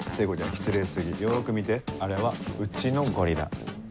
失礼過ぎよく見てあれはうちのゴリラ。